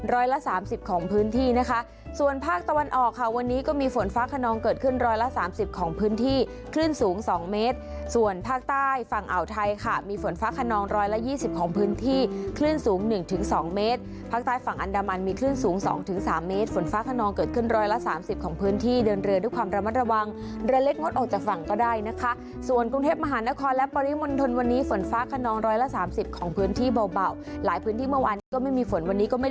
ร้อยละ๒๐ของพื้นที่คลื่นสูง๑๒เมตรภาคใต้ฝั่งอันดามันมีคลื่นสูง๒๓เมตรฝนฟ้าขนองเกิดขึ้นร้อยละ๓๐ของพื้นที่เดินเรือด้วยความระมัดระวังระเล็กงดออกจากฝั่งก็ได้นะคะส่วนกรุงเทพมหานครและปริมณฑลวันนี้ฝนฟ้าขนองร้อยละ๓๐ของพื้นที่เบาหลายพื้นที่เมื่อวานก็ไม่มีฝนวันนี้